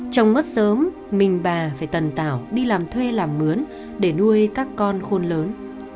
trông mất sớm mình bà phải tần tạo đi làm thuê làm mướn để nuôi các con khôn lớn